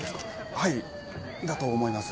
はいだと思います。